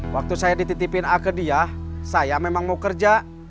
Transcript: waktu saya dititipin a ke dia saya memang mau kerja